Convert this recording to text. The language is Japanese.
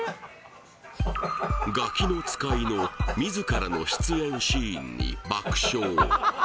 「ガキの使い」の自らの出演シーンに爆笑